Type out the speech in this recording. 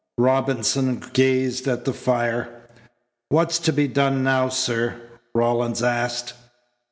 Robinson gazed at the fire. "What's to be done now, sir?" Rawlins asked.